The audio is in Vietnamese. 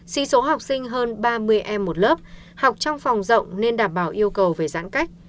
sĩ số học sinh hơn ba mươi em một lớp học trong phòng rộng nên đảm bảo yêu cầu về giãn cách